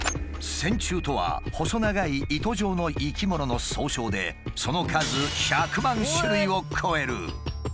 「線虫」とは細長い糸状の生き物の総称でその数１００万種類を超える。